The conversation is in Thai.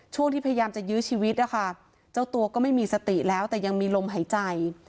ช่วงที่พยายามจะยื้อชีวิตนะคะเจ้าตัวก็ไม่มีสติแล้วแต่ยังมีลมหายใจ